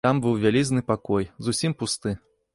Там быў вялізны пакой, зусім пусты.